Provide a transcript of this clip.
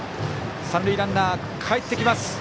三塁ランナー、かえってきます。